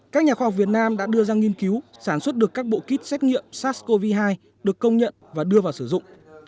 các nhà khoa học việt nam đã đưa ra nghiên cứu sản xuất được các bộ kit xét nghiệm sars cov hai được công nhận và đưa vào sử dụng